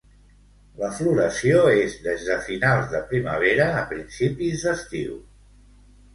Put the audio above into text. La floració és des de finals de primavera a principis d'estiu.